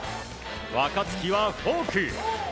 若月はフォーク。